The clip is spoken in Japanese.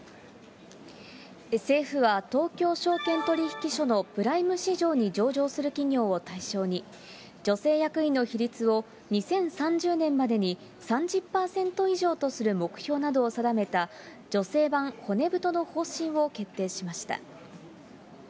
政府は東京証券取引所のプライム市場に上場する企業を対象に、女性役員の比率を２０３０年までに３０％以上とする目標などを定めた女性版骨太の方針を決定しました。